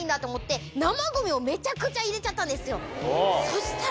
そしたら。